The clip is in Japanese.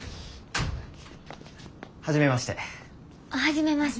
初めまして。